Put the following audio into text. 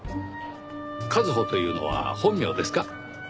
「かずほ」というのは本名ですか？